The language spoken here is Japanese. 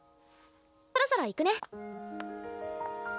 そろそろ行くね。